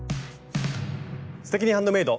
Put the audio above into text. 「すてきにハンドメイド」。